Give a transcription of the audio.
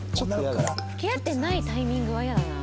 付き合ってないタイミングは嫌だな。